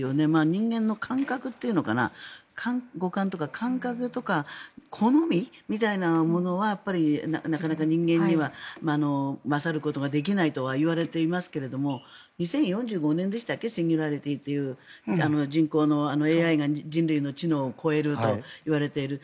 人間の感覚っていうのかな五感とか、感覚とか好みみたいなものはなかなか人間には勝ることはできないとはいわれていますけれども２０４５年でしたっけシンギュラリティーという人工のＡＩが人類の知能を超えるといわれている。